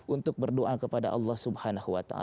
untuk berdoa kepada allah swt